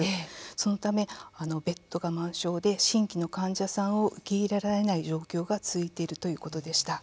そのため、ベッドが満床で新規の患者さんを受け入れられない状況が続いているということでした。